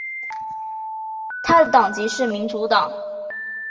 他的党籍是民主党。